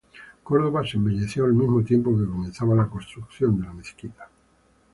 Córdoba se embelleció al mismo tiempo que comenzaba la construcción de la mezquita.